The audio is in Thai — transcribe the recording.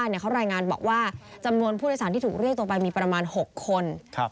เขารายงานบอกว่าจำนวนผู้โดยสารที่ถูกเรียกตัวไปมีประมาณ๖คน